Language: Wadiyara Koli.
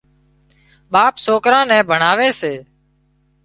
ٻاپ سوڪران نين ڀڻاوي سي